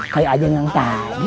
kayak anjing yang tadi